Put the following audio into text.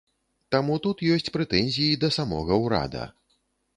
Таму тут ёсць прэтэнзіі да самога ўрада.